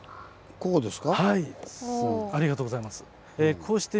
ここです。